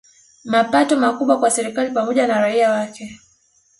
Mapato makubwa kwa serikali pamoja na raia wake